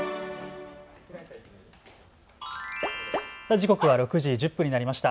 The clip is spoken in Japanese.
時刻は６時１０分になりました。